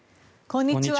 こんにちは。